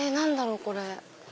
これ。